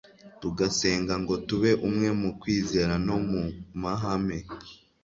tugasenga ngo tube umwe mu kwizera no mu mahame